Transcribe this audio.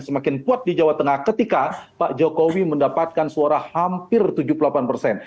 semakin kuat di jawa tengah ketika pak jokowi mendapatkan suara hampir tujuh puluh delapan persen